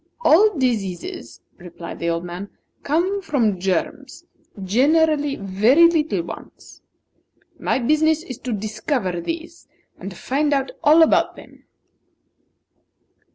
"All diseases," replied the old man, "come from germs; generally very little ones. My business is to discover these, and find out all about them."